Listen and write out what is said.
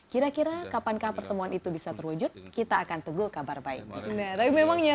kira kira kapankah pertemuan itu bisa terwujud kita akan teguh kabar baik